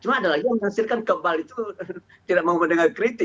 cuma ada lagi yang menghasilkan kebal itu tidak mau mendengar kritik